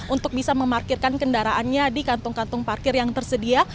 untuk bisa memarkirkan kendaraannya di kantung kantung parkir yang tersedia